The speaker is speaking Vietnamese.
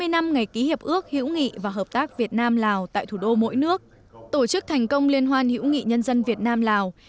hai mươi năm ngày ký hiệp ước hữu nghị và hợp tác việt nam lào tại thủ đô mỗi nước tổ chức thành công liên hoan hữu nghị nhân dân việt nam lào